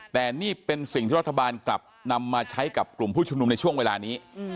แต่นี่เป็นสิ่งที่รัฐบาลกลับนำมาใช้กับกลุ่มผู้ชุมนุมในช่วงเวลานี้